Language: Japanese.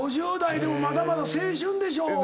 ５０代でもまだまだ青春でしょ。